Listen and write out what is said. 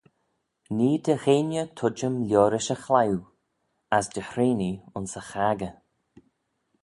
Nee dty gheiney tuittym liorish y chliwe, as dty hreanee ayns y chaggey.